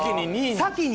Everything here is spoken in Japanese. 先に！